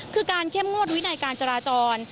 คือการเข้มงวดวินัยการจราจร